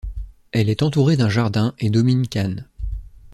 Elle est entourée d'un jardin et domine Cannes.